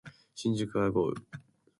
新宿は豪雨